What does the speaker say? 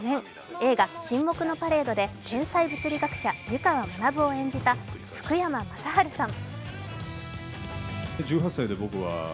映画「沈黙のパレード」で天才物理学者、湯川学を演じた福山雅治さん。